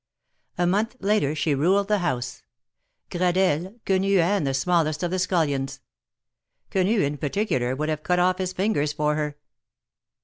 A month later she ruled the house ; Gradelle, Quenu and the smallest of the scullions. Quenu, in particular, would have cut off his fingers for her.